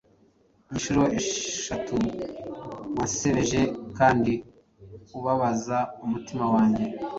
Inshuro eshatu wansebeje kandi ubabaza umutima wanjye.